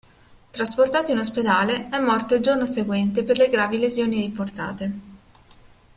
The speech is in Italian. Trasportato in ospedale, è morto il giorno seguente per le gravi lesioni riportate.